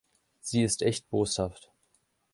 Sie ist echt boshaft.